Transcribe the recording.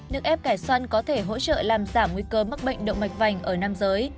nước ép cải xoăn có thể hỗ trợ làm giảm nguy cơ mắc bệnh động mạch vành ở nam giới